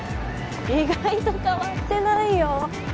意外と変わってないよ